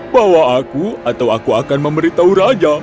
bawa aku atau aku akan memberitahu raja